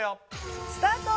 スタート。